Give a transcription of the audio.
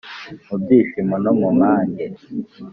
Mu byishimo no mu mage